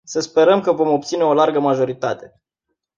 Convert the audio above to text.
Să sperăm că vom obține o largă majoritate.